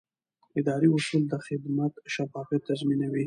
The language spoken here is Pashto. اداري اصول د خدمت شفافیت تضمینوي.